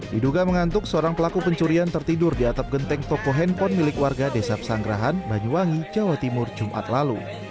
diduga mengantuk seorang pelaku pencurian tertidur di atap genteng toko handphone milik warga desa pesanggerahan banyuwangi jawa timur jumat lalu